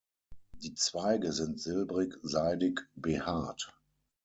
Die Zweige sind silbrig-seidig behaart.